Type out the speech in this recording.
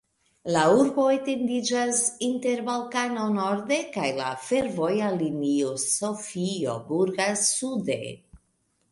La urbo etendiĝas inter Balkano norde kaj la fervoja linio Sofio-Burgas sude.